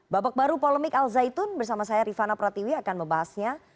babak baru polemik al zaitun bersama saya rifana pratiwi akan membahasnya